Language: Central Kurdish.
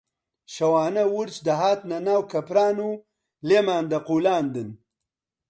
شەوانە ورچ دەهاتنە ناو کەپران و لێمان دەقوولاندن